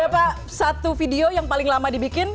berapa satu video yang paling lama dibikin